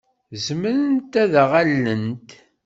Zemrent ad aɣ-allent?